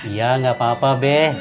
ya gak apa apa be